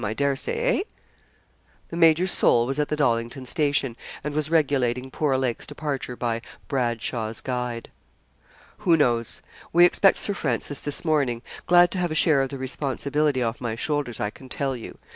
I dare say eh?' The major's soul was at the Dollington station, and was regulating poor Lake's departure by 'Bradshaw's Guide.' 'Who knows? We expect Sir Francis this morning. Glad to have a share of the responsibility off my shoulders, I can tell you.